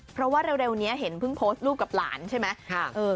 เพราะว่าเร็วนี้เห็นเพิ่งโพสต์รูปกับหลานใช่ไหม